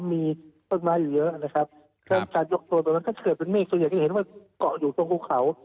ครับที่ค่อยฝ่าตัวก็เกลียดเป็นหมีส่วนใหญ่ก็จะเห็นว่าก่ออยู่ตรงครู่เขา